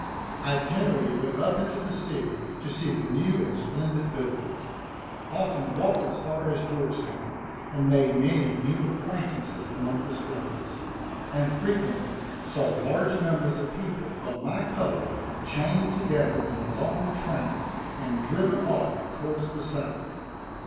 I generally went up into the city to see the new and splendid buildings; often walked as far as Georgetown, and made many new acquaintances among the slaves, and frequently saw large numbers of people of my color chained together in long trains, and driven off towards the South.